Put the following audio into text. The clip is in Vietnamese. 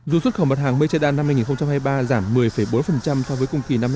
dù xuất khẩu mặt hàng mây che đan năm hai nghìn hai mươi ba giảm một mươi bốn so với cùng kỳ năm hai nghìn hai mươi ba